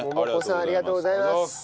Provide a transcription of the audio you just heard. ありがとうございます。